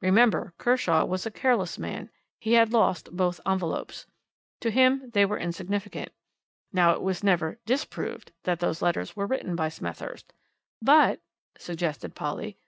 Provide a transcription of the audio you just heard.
Remember, Kershaw was a careless man he had lost both envelopes. To him they were insignificant. Now it was never disproved that those letters were written by Smethurst." "But " suggested Polly.